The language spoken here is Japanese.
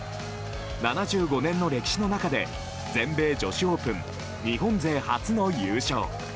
７５年の歴史の中で全米女子オープン日本勢初の優勝。